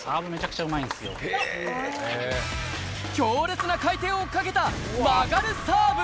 強烈な回転をかけた曲がるサーブ。